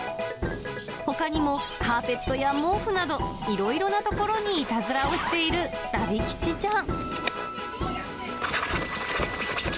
ほかにもカーペットや毛布など、いろいろな所にいたずらをしているラビ吉ちゃん。